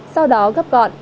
sau đó gấp gọn